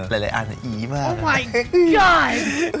หลายอาจจะอีมาก